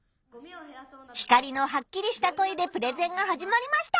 ヒカリのはっきりした声でプレゼンが始まりました。